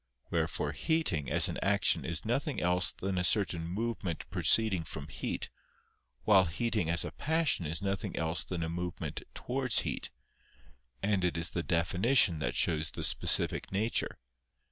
Wherefore heating, as an action, is nothing else than a certain movement proceeding from heat, while heating as a passion is nothing else than a movement towards heat: and it is the definition that shows the specific nature.